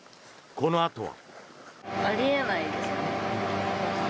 このあとは。